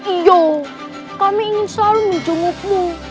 iya kami ingin selalu mencumukmu